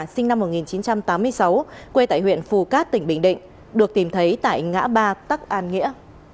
sinh năm một nghìn chín trăm tám mươi sáu quê tại huyện phù cát tỉnh bình định được tìm thấy tại ngã ba tắc an nghĩa